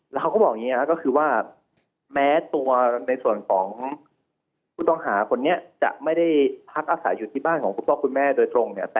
แล้วเขาก็บอกอย่างนี้ก็คือว่าแม้ตัวในส่วนของผู้ต้องหาคนนี้จะไม่ได้พักอาศัยอยู่ที่บ้านของคุณพ่อคุณแม่โดยตรงเนี่ย